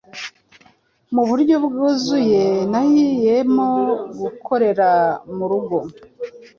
Muburyo bwuzuye nahiemo gukorera murugo